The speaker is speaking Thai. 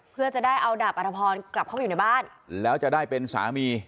เพื่อจะได้เอาดาบอัธพรกลับเข้าไปอยู่ในบ้านแล้วจะได้เป็นสามี